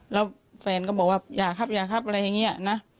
แล้วแฟนก็บอกว่าอย่าครับอย่าครับอะไรอย่างนี้นะ